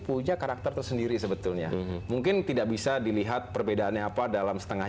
punya karakter tersendiri sebetulnya mungkin tidak bisa dilihat perbedaannya apa dalam setengah